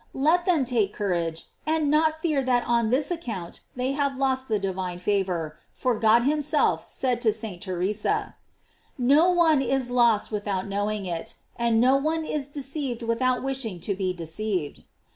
Let them take courage, and not fear that on this account they have lost the divine favor, for God himself said to St. Theresa: "No one is lost without knowing it; and no one is deceived without wishing to be deceived."